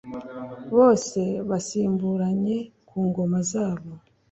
bose basimburanye ku ngoma zabo,